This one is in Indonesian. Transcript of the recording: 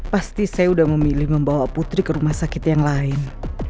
pasti saya sudah memilih membawa putri ke rumah sakit yang lain